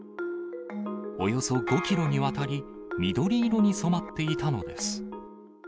およそ５キロにわたり、緑色に染まっていたのです。